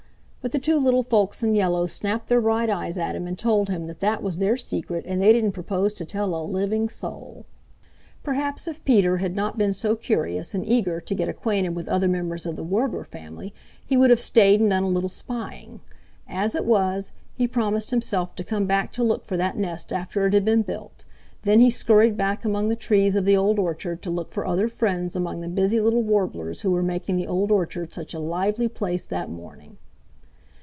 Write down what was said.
But the two little folks in yellow snapped their bright eyes at him and told him that that was their secret and they didn't propose to tell a living soul. Perhaps if Peter had not been so curious and eager to get acquainted with other members of the Warbler family he would have stayed and done a little spying. As it was, he promised himself to come back to look for that nest after it had been built; then he scurried back among the trees of the Old Orchard to look for other friends among the busy little Warblers who were making the Old Orchard such a lively place that morning.